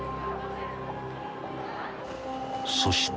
［そして］